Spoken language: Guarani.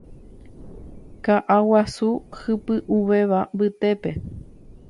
Ka'a guasu hypy'ũvéva mbytépe